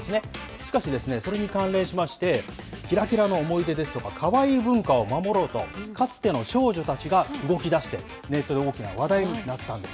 しかし、それに関連しまして、キラキラの思い出ですとか、カワイイ文化を守ろうとかつての少女たちが動きだして、ネットで大きな話題になったんです。